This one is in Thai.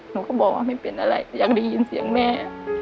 หนูก็บอกว่าไม่เป็นอะไรก็อยากได้ยินเสียงแม่